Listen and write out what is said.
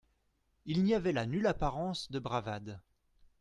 Il n'y avait là nulle apparence de bravade.